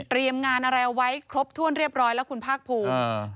งานอะไรเอาไว้ครบถ้วนเรียบร้อยแล้วคุณภาคภูมิ